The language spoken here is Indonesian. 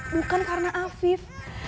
bukan karena afif